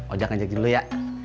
ojek ngajakin dulu ya